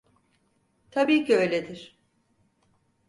Tabii ki öyledir.